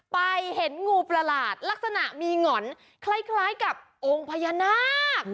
ไปเห็นงูประหลาดลักษณะมีหง่อนคล้ายกับองค์พญานาค